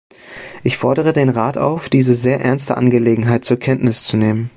Ich fordere den Rat auf, diese sehr ernste Angelegenheit zur Kenntnis zu nehmen.